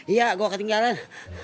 iya gue ketinggalan